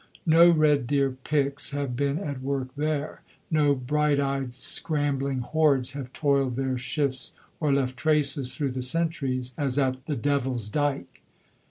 No red deer picks have been at work there, no bright eyed, scrambling hordes have toiled their shifts or left traces through the centuries as at the Devil's Dyke.